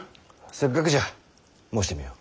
せっかくじゃ申してみよ。